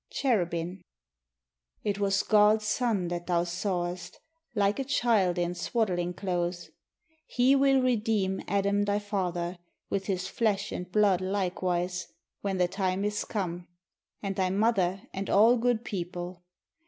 Cherubin It was God's son that thou sawest, Like a child in swaddling clothes. He will redeem Adam thy father With his flesh and blood likewise, When the time is come, And thy mother and all good people.